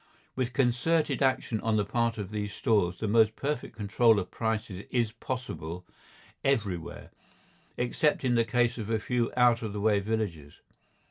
With concerted action on the part of these stores the most perfect control of prices is possible everywhere, except in the case of a few out of the way villages.